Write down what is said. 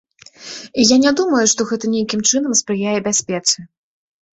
Я не думаю, што гэта нейкім чынам спрыяе бяспецы.